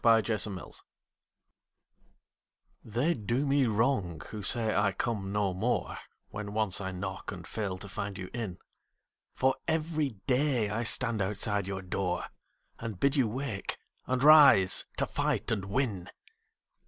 OPPORTUNITY They do me wrong who say I come no more When once I knock and fail to find you in ; For every day I stand outside your door, And bid you wake, and rise to fight and win.